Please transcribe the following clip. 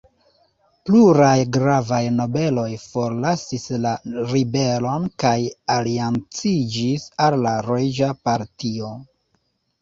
Pluraj gravaj nobeloj forlasis la ribelon kaj alianciĝis al la reĝa partio.